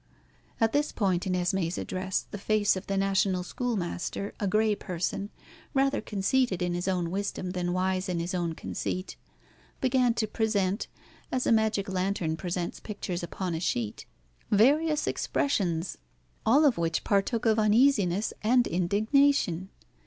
At this point in Esmé's address the face of the national schoolmaster, a grey person, rather conceited in his own wisdom than wise in his own conceit, began to present as a magic lantern presents pictures upon a sheet various expressions, all of which partook of uneasiness and indignation.